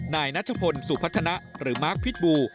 นายนัชพลสุพัฒนะหรือมาร์คพิษบู